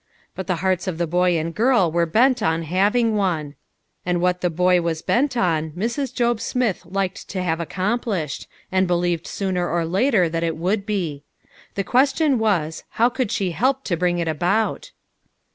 But the hearts of the boy and girl 106 HOW IT SUCCEEDED. 107 were bent on having one ; and what the boy was bent on, Mrs. Job Smith liked to have accom plished, and believed sooner or later that it would be. The question was, How could she help to bring it about